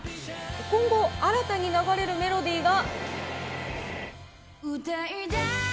今後、新たに流れるメロディーが。